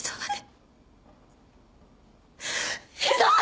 ひどい。